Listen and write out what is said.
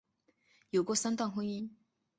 有过三段婚姻。